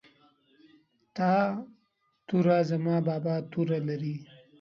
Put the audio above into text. ت توره زما بابا توره لري